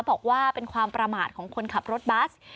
บอกว่าเป็นความประมาทของคนขับรถบัส